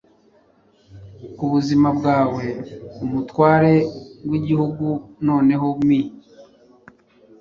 Kubuzima bwawe umutware wigihugu noneho me